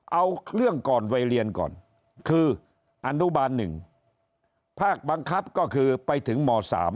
เอาเรื่องก่อนวัยเรียนก่อนคืออนุบาล๑ภาคบังคับก็คือไปถึงม๓